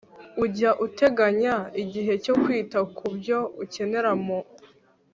Jya uteganya igihe cyo kwita ku byo ukenera mu